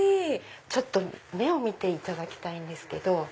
ちょっと目を見ていただきたいんですけど。